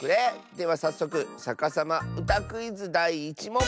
ではさっそく「さかさまうたクイズ」だい１もん。